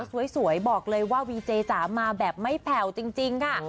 สวยบอกเลยว่าวีเจจ๋ามาแบบไม่แผ่วจริงค่ะ